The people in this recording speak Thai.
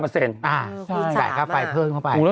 จ่ายค่าไฟเพิ่มเข้าไป